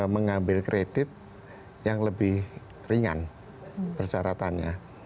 mengambil kredit yang lebih ringan persyaratannya